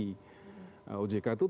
ojk itu turutnya dari uu